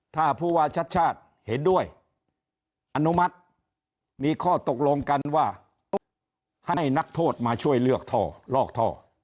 ถ้าผู้ว่าชัดชาติเห็นด้วยอนุมัติมีข้อตกลงกันว่าให้นักโทษมาช่วยเลือกท่อลอกท่อ